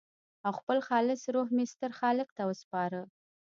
او خپل خالص روح مې ستر خالق ته وسپاره.